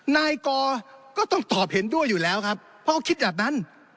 นายกอก็ต้องตอบเห็นด้วยอยู่แล้วครับเพราะเขาคิดแบบนั้น